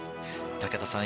武田さん